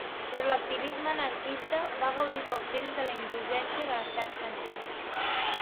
Però l'activisme anarquista va gaudir poc temps de la indulgència de l'Estat francès.